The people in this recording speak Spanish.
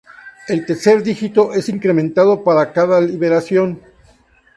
El tercer dígito es incrementado para cada liberación.